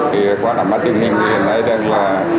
thì qua nằm tình hình thì hiện nay đang là